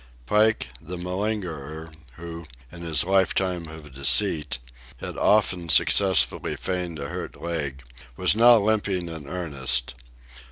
Pike, the malingerer, who, in his lifetime of deceit, had often successfully feigned a hurt leg, was now limping in earnest.